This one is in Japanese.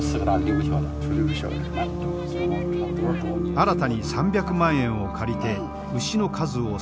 新たに３００万円を借りて牛の数を更に増やす。